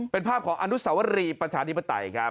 เป็นภาพของอนุสวรีประชาธิปไตยครับ